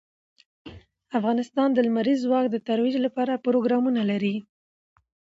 افغانستان د لمریز ځواک د ترویج لپاره پروګرامونه لري.